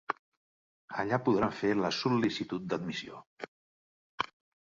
Allà podran fer la sol·licitud d'admissió.